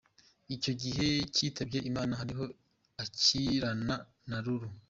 Icyo gihe yitabye Imana ariho akirana na Lulu.